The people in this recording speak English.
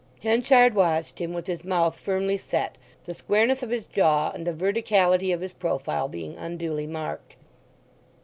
Henchard watched him with his mouth firmly set, the squareness of his jaw and the verticality of his profile being unduly marked.